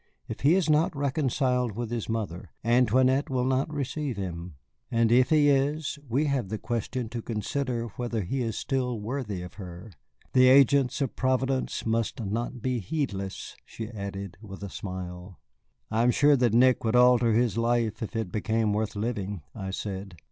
If he is not reconciled with his mother, Antoinette will not receive him. And if he is, we have the question to consider whether he is still worthy of her. The agents of Providence must not be heedless," she added with a smile. "I am sure that Nick would alter his life if it became worth living," I said.